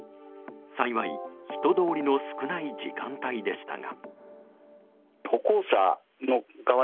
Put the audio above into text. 幸い、人通りの少ない時間帯でしたが。